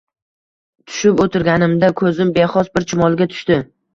tushib oʻtirganimda koʻzim bexos bir chumoliga tushdi